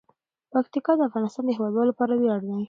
پکتیکا د افغانستان د هیوادوالو لپاره ویاړ دی.